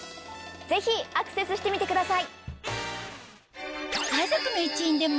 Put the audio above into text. ぜひアクセスしてみてください！